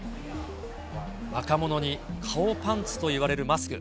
若者に顔パンツといわれるマスク。